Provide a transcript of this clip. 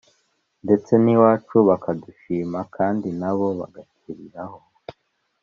ndetse n'iwacu bakadushima kandi na bo bagakiriraho.